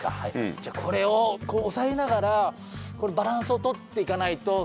じゃあこれを押さえながらバランスをとっていかないと。